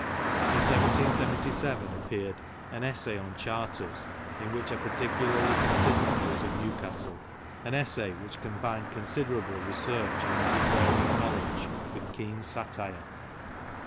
In 1777, appeared "An Essay on Charters, in which are particularly con sidered those of Newcastle," an essay which combined considerable research and antiquarian knowledge with keen satire.